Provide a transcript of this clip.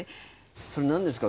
それ何ですか？